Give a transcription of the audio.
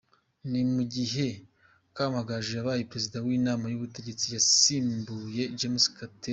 Ni mu gihe Kamagaju yabaye Perezida w’Inama y’Ubutegetsi yasimbuye James Gatera.